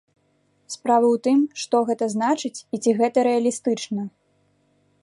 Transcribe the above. Справа ў тым, што гэта значыць і ці гэта рэалістычна?